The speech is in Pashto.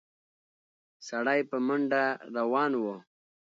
سړی په منډه روان و.